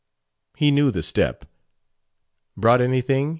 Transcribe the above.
He knew the step. "Brought anything?"